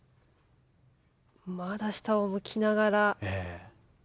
まだ下を向きながら。